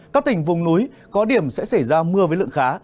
các tỉnh vùng núi có điểm sẽ xảy ra mưa với lượng khá